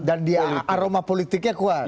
dan dia aroma politiknya kuat